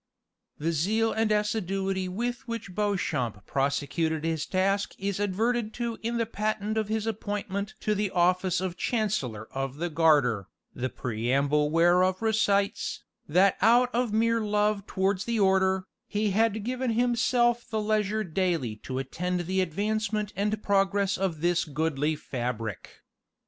The zeal and assiduity with which Beauchamp prosecuted his task is adverted to in the patent of his appointment to the office of chancellor of the Garter, the preamble whereof recites, "that out of mere love towards the Order, he had given himself the leisure daily to attend the advancement and progress of this goodly fabric."